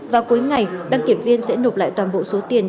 vào cuối ngày đăng kiểm viên sẽ nộp lại toàn bộ số tiền